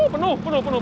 penuh penuh penuh